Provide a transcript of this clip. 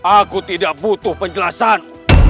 aku tidak butuh penjelasan